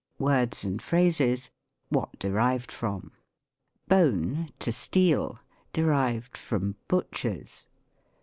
WORDS AND PHRASES. WHAT DERIVED FROM. Bone (to steal,) Butchers.